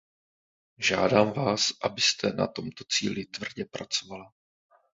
Žádám vás, abyste na tomto cíli tvrdě pracovala.